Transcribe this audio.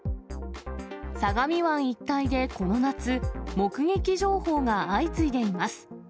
相模湾一帯でこの夏、目撃情報が相次いでいます。